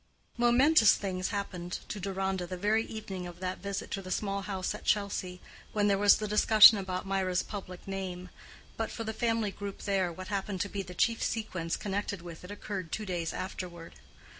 Momentous things happened to Deronda the very evening of that visit to the small house at Chelsea, when there was the discussion about Mirah's public name. But for the family group there, what appeared to be the chief sequence connected with it occurred two days afterward.